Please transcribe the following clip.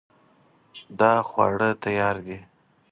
دا خواړه تیار دي